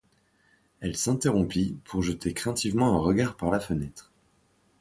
Elle s'interrompit, pour jeter craintivement un regard par la fenêtre.